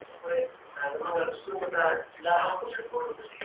خپل استعداد به د خلګو د خیر لپاره کاروئ.